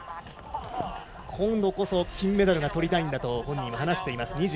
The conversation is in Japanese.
今度こそ金メダルがとりたいと本人は話しています。